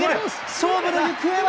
勝負の行方は？